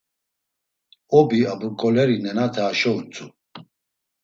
Obi aburǩoleri nenate haşo utzu: